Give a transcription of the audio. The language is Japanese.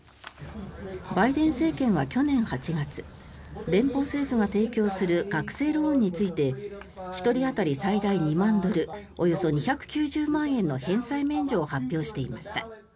バイデン政権は去年８月連邦政府が提供する学生ローンについて１人当たり最大２万ドルおよそ２９０万円の返済免除を発表していました。